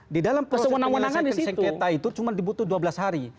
di dalam proses penyelesaian keta itu cuma dibutuhkan dua belas hari